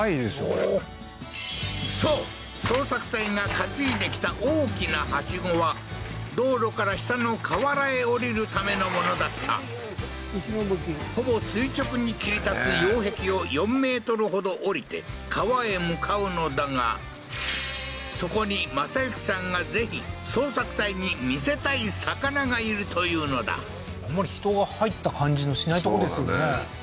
これそう捜索隊が担いできた大きな梯子は道路から下の河原へ降りるためのものだったほぼ垂直に切り立つ擁壁を４メートルほど下りて川へ向かうのだがそこに正行さんが是非捜索隊に見せたい魚がいるというのだあんまり人が入った感じのしないとこですよね